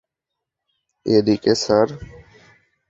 এইদিকে, স্যার।